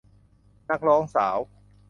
นักร้องสาว